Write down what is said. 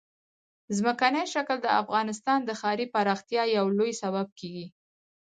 ځمکنی شکل د افغانستان د ښاري پراختیا یو لوی سبب کېږي.